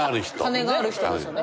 金がある人ですよね。